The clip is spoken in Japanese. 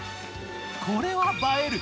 これは映える。